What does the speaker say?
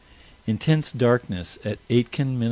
Intense darkness at Aitkin, Minn.